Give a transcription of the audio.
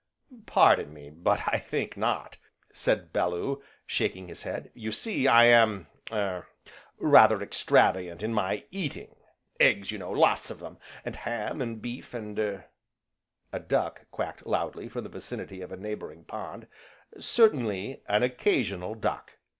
"Pardon me! but I think not," said Bellew, shaking his head, "you see, I am er rather extravagant in my eating, eggs, you know, lots of 'em, and ham, and beef, and er (a duck quacked loudly from the vicinity of a neighbouring pond), certainly, an occasional duck!